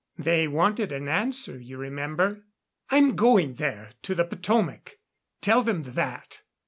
"They wanted an answer, you remember." "I'm going there to the Potomac tell them that.